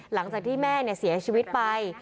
หลังจากที่แม่เสียชีวิตไป